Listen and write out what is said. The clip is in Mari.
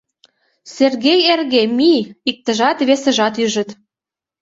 — Сергей эрге, мий! — иктыжат, весыжат ӱжыт.